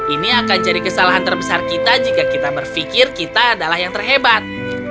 ini akan jadi kesalahan terbesar kita jika kita berpikir kita adalah yang terhebat